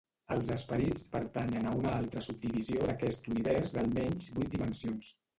Els esperits pertanyen a una altra subdivisió d'aquest univers d'almenys vuit dimensions.